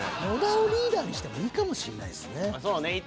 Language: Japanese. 野田をリーダーにしてもいいかもしんないですね。